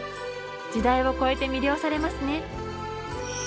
時代を超えて魅了されますね。